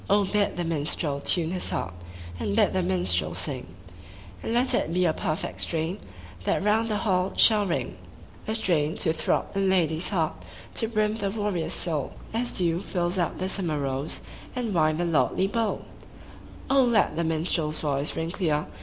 BID the minstrel tune his haxp, And bid the minstrel sing; And let it be a perfect strain That round the hall shall ring : A strain to throb in lad/s heart, To brim the warrior's soul. As dew fills up the summer rose And wine the lordly bowl ! let the minstrePs voice ring clear.